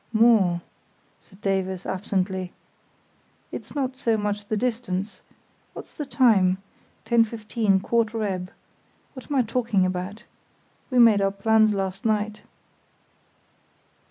"More," said Davies, absently. "It's not so much the distance—what's the time? Ten fifteen; quarter ebb—— What am I talking about? We made our plans last night."